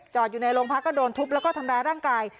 อยู่ในโรงพักก็โดนทุบแล้วก็ทำร้ายร่างกาย